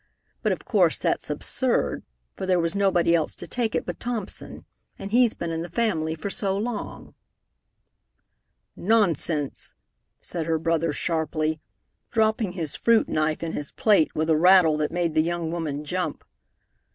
But of course that's absurd, for there was nobody else to take it but Thompson, and he's been in the family for so long." "Nonsense!" said her brother sharply, dropping his fruit knife in his plate with a rattle that made the young woman jump.